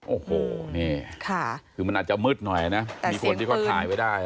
โอ้โหนี่คือมันอาจจะมืดหน่อยนะมีคนที่เขาถ่ายไว้ได้